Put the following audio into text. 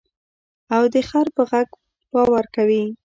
او د خر په غږ باور کوې.